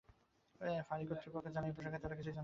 ফাঁড়ি কর্তৃপক্ষ জানান যে, এই প্রসঙ্গে তাঁরা কিছুই জানেন না।